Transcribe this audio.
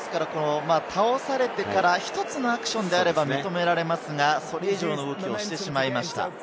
倒されてから１つのアクションであれば認められますが、それ以上の動きをしてしまいました。